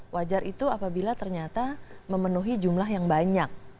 wajar itu apabila ternyata memenuhi jumlah yang banyak